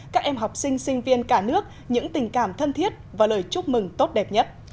các em học sinh sinh viên cả nước những tình cảm thân thiết và lời chúc mừng tốt đẹp nhất